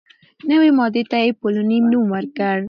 نوې ماده ته یې «پولونیم» نوم ورکړ.